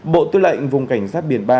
bộ tư lệnh vùng cảnh sát biển ba